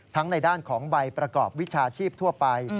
ในด้านของใบประกอบวิชาชีพทั่วไป